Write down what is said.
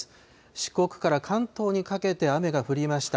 四国から関東にかけて雨が降りました。